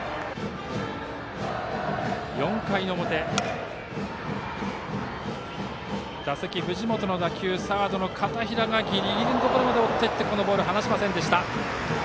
４回表、藤本の打球サードの片平がギリギリのところまで追っていってこのボールを離しませんでした。